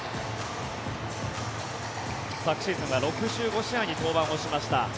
昨シーズンは６５試合に登板をしました。